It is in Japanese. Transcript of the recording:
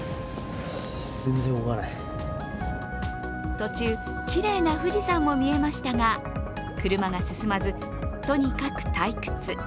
途中、きれいな富士山も見えましたが車が進まず、とにかく退屈。